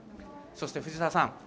そして、藤澤さん。